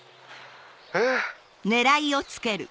えっ？